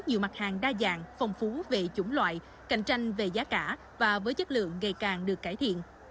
nhiều mặt hàng đa dạng phong phú về chủng loại cạnh tranh về giá cả và với chất lượng ngày càng được cải thiện